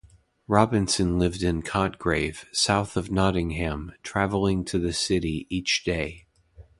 Robinson lived in Cotgrave, south of Nottingham, travelling to the city each day.